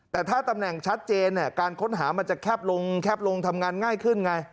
แต่ถ้าตำแหน่งชัดเจนการค้นหามันจะแคบลงแคบลงทำงานง่ายขึ้นไง